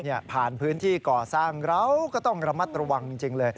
ผ่านพื้นที่ก่อสร้างเราก็ต้องระมัดระวังจริงเลย